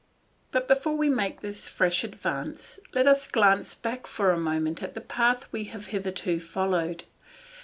But before we make this fresh advance, let us glance back for a moment at the path we have hitherto followed.